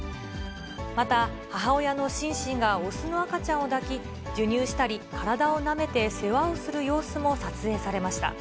また母親のシンシンが雄の赤ちゃんを抱き、授乳したり、体をなめて世話をする様子も撮影されました。